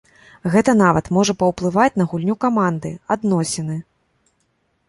Гэта нават можа паўплываць на гульню каманду, адносіны.